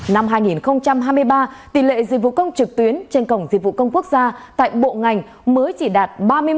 năm hai nghìn hai mươi ba tỷ lệ dịch vụ công trực tuyến trên cổng dịch vụ công quốc gia tại bộ ngành mới chỉ đạt ba mươi một